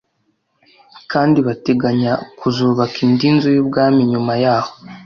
Kandi bateganya kuzubaka indi nzu y ubwami nyuma yaho